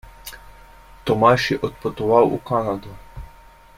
Tomaž je odpotoval v Kanado.